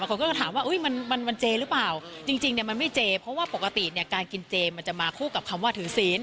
คนก็จะถามว่ามันมันเจหรือเปล่าจริงเนี่ยมันไม่เจเพราะว่าปกติเนี่ยการกินเจมันจะมาคู่กับคำว่าถือศีล